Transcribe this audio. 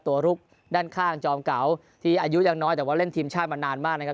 ลุกด้านข้างจอมเก่าที่อายุยังน้อยแต่ว่าเล่นทีมชาติมานานมากนะครับ